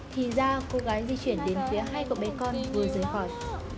thì ra cô gái di chuyển đến phía hai cậu bé con vừa rời khỏi